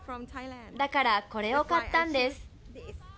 だからこれを買ったんです。